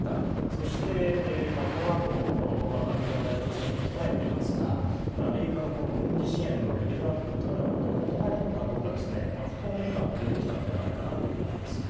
そして、このあとアメリカの大統領選挙も控えていますがアメリカの軍事支援のレベルアップが本当に行われるのかどうかは不透明感も出てきたのではないかなと思います。